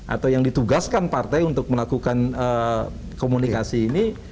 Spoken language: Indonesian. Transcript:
atau yang ditugaskan partai untuk melakukan komunikasi ini